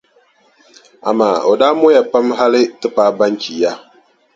Amaa o daa mɔya pam hali ti paai Banchi ya.